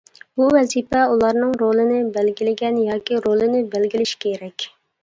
بۇ ۋەزىپە ئۇلارنىڭ رولىنى بەلگىلىگەن ياكى رولىنى بەلگىلىشى كېرەك.